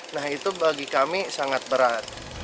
nah itu bagi kami sangat berat